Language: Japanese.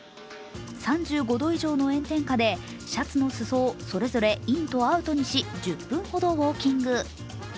３５度以上の炎天下でシャツの裾をぞさぞれインとアウトにし、１０分ほどウオーキング。